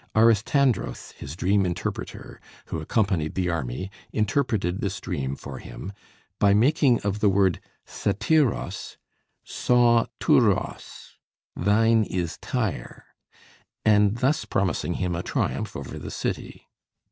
Aristandros, his dream interpreter, who accompanied the army, interpreted this dream for him by making of the word Satyros, σἁ Τὑρος, "Thine is Tyre," and thus promising him a triumph over the city.